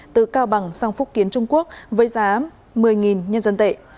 từ cao bằng sang phúc kiến trung quốc với giá một mươi nhân dân tệ